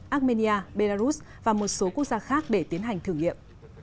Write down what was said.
armenia belarus và một số quốc gia khác để tiến hành thử nghiệm